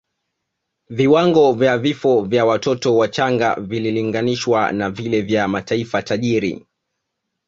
Viwango vya vifo vya watoto wachanga vililinganishwa na vile vya mataifa tajiri